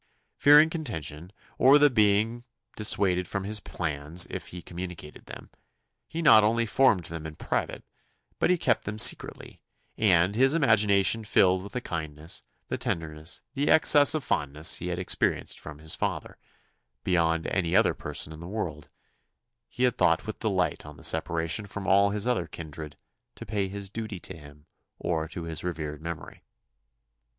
Fearing contention, or the being dissuaded from his plans if he communicated them, he not only formed them in private, but he kept them secretly; and, his imagination filled with the kindness, the tenderness, the excess of fondness he had experienced from his father, beyond any other person in the world, he had thought with delight on the separation from all his other kindred, to pay his duty to him, or to his revered memory.